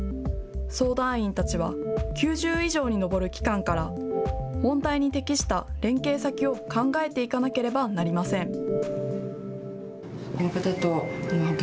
相談員たちは９０以上に上る機関から問題に適した連携先を考えていかなければなりません。